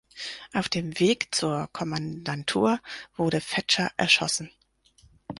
Auf dem Weg zur Kommandantur wurde Fetscher erschossen.